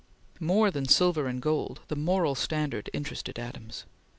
More than silver and gold, the moral standard interested Adams.